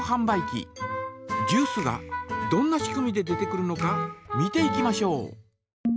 ジュースがどんな仕組みで出てくるのか見ていきましょう。